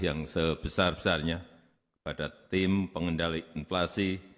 yang sebesar besarnya pada tim pengendali inflasi